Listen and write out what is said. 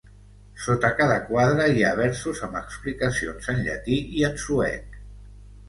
Sota cada quadre hi ha versos amb explicacions en llatí i en suec.